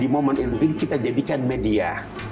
di momen idul fitri ini kita jadikan media